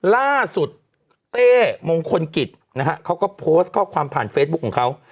ล่าสุดเต้มงคลกิจนะฮะเขาก็โพสต์ข้อความผ่านเฟซบุ๊คของเขา